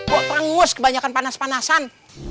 kok teranggus kebanyakan panas panasan